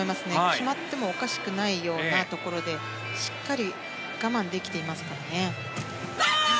決まってもおかしくないようなところでしっかり我慢できていますからね。